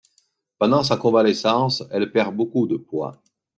Pendant sa convalescence, elle perd beaucoup de poids.